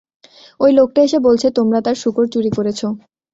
ওই লোকটা এসে বলছে তোমরা তার শূকর চুরি করেছ।